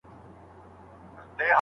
آیا خفګان تر خوښۍ ژور دی؟